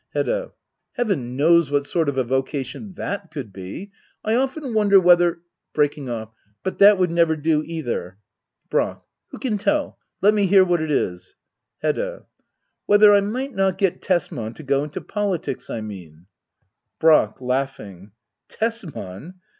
Hedda. Heaven knows what sort of a vocation that could be. I often wonder whether [Break ing off,] But that would never do either. Brack. Who can tell ? Let me hear what it is. Hedda. Whether I might not get Tesman to go into poUtics, I mean. Brack. Tesman